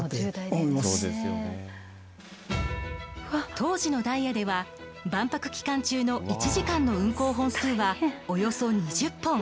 当時のダイヤでは万博期間中の１時間の運行本数はおよそ２０本。